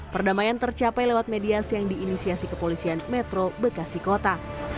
perdamaian tercapai lewat medias yang diinisiasi kepolisian metro bekasi kota